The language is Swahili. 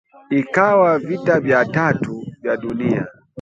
Ikawa vita vya tatu vya dunia